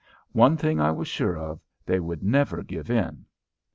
One thing I was sure of: they would never give in.